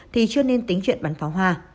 thì chưa nên tính chuyện bán pháo hoa